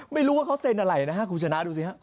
ไม่รู้ว่าเขาเซ็นอะไรนะฮะคุณชนะดูสิฮะ